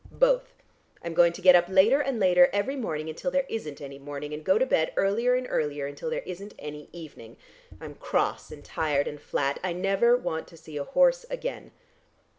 "Both. I'm going to get up later and later every morning until there isn't any morning, and go to bed earlier and earlier until there isn't any evening. I'm cross and tired and flat. I never want to see a horse again."